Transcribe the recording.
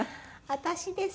私です。